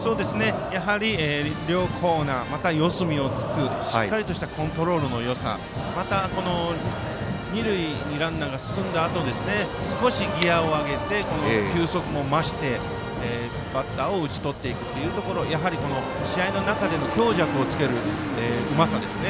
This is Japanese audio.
やはり両コーナーまた四隅をつくしっかりとしたコントロールのよさまた二塁にランナーが進んだあと少しギヤを上げて球速も増して、バッターを打ち取っていくというところやはり、試合の中での強弱をつけるうまさですね。